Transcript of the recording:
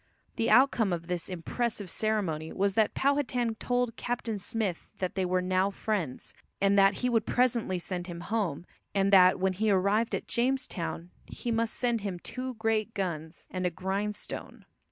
The outcome of this impressive ceremony was that Powhatan told Captain Smith that they were now friends, and that he would presently send him home, and that when he arrived at Jamestown he must send him two great guns and a grindstone.